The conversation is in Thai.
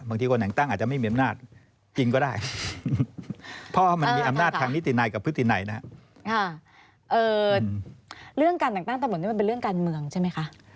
บางทีคนแห่งตั้งอาจจะไม่มีอำนาจจริงก็ได้เพราะมันมีอำนาจทางนิติในกับพฤติในนะฮะ